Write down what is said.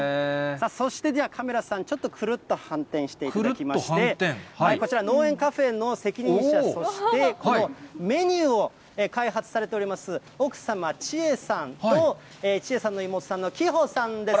そして、ではカメラさん、ちょっとくるっと反転していただきまして、こちら、農園カフェの責任者、そしてメニューを開発されております、奥様、智恵さんと、智恵さんの妹さんの希穂さんです。